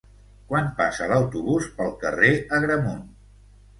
Quan passa l'autobús pel carrer Agramunt?